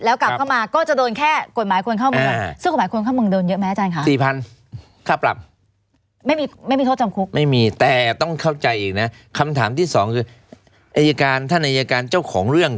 แล้วกลับเข้ามาก็จะโดนแค่กฎหมายคนเข้าเมือง